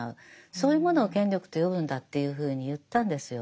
そういうものを権力と呼ぶんだっていうふうに言ったんですよ。